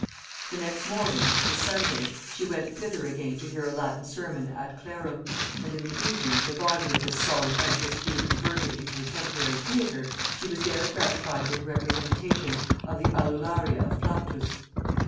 The next morning, which was Sunday, she went thither again to hear a Latin sermon ad clerum, and in the evening, the body of this solemn edifice being converted into a temporary theatre, she was there gratified with a representation of the Aulularia of Plautus.